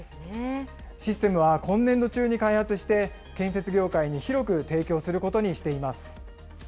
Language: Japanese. システムは今年度中に開発して、建設業界に広く提供することにしています。